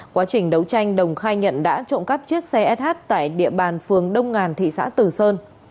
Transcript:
quá trình đấu tranh đồng khai nhận đã trộm cắp chiếc xe sh tại địa bàn phường đông ngàn thị xã tử sơn